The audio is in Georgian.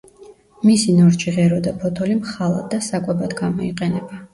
მისი ნორჩი ღერო და ფოთოლი მხალად და საკვებად გამოიყენება.